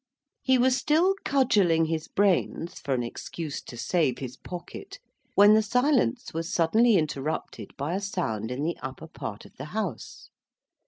He was still cudgelling his brains for an excuse to save his pocket, when the silence was suddenly interrupted by a sound in the upper part of the house.